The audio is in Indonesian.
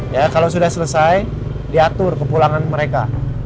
ya kalau sudah selesai diatur ke pulangan mereka